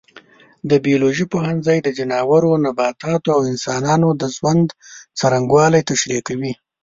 د بیولوژي پوهنځی د ځناورو، نباتاتو او انسانانو د ژوند څرنګوالی تشریح کوي.